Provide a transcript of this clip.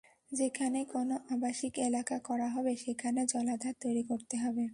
যেখানেই কোনো আবাসিক এলাকা করা হবে, সেখানে জলাধার তৈরি করতে হবে।